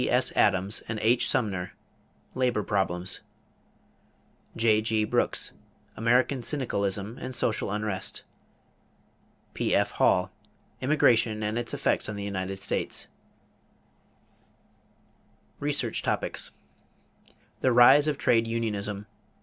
S. Adams and H. Sumner, Labor Problems. J.G. Brooks, American Syndicalism and Social Unrest. P.F. Hall, Immigration and Its Effects on the United States. =Research Topics= =The Rise of Trade Unionism.